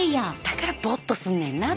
だからボッとすんねんな。